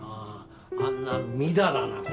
あんなみだらな事。